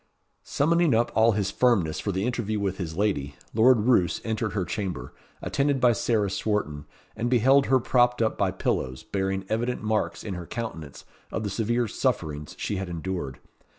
Summoning up all his firmness for the interview with his lady, Lord Roos entered her chamber, attended by Sarah Swarton, and beheld her propped up by pillows, bearing evident marks in her countenance of the severe sufferings she had endured.